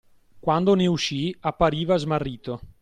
Quando ne uscì appariva smarrito.